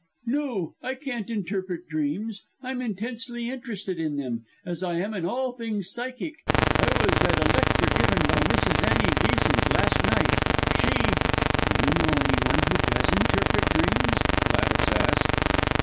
"No, I can't interpret dreams. I'm intensely interested in them; as I am in all things psychic. I was at a lecture given by Mrs. Annie Besant last night! She " "Do you know any one who does interpret dreams?" Gladys asked.